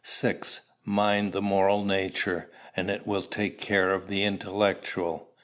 6. Mind the moral nature, and it will take care of the intellectual.